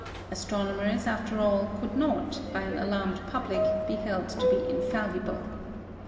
Astronomers, after all, could not, by an alarmed public, be held to be infallible.